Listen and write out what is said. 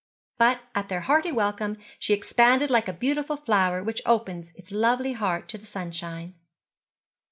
But at their hearty welcome she expanded like a beautiful flower which opens its lovely heart to the sunshine.